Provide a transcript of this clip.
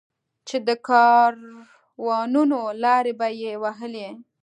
چې د کاروانونو لارې به یې وهلې.